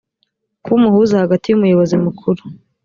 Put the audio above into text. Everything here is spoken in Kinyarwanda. kuba umuhuza hagati y umuyobozi mukuru